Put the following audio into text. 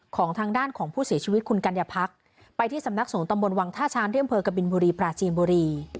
ของทางด้านของผู้เสียชีวิตคุณกัญญาพักไปที่สำนักสงตำบลวังท่าช้างที่อำเภอกบินบุรีปราจีนบุรี